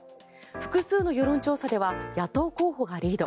複数の世論調査では野党候補がリード。